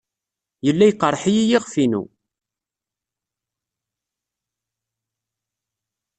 Yella yeqreḥ-iyi yiɣef-inu.